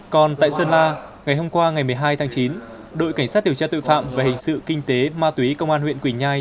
còn tại sơn la ngày hôm qua ngày một mươi hai tháng chín đội cảnh sát điều tra tội phạm về hình sự kinh tế ma túy công an huyện quỳnh nhai